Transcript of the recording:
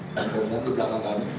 pung tni ada di belakang kami